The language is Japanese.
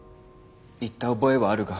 言った覚えはあるが。